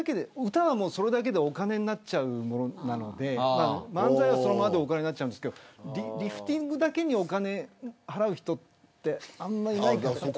歌はそれだけでお金になっちゃうものなので漫才もそうですけどリフティングだけにお金を払う人ってあんまりいないかなと。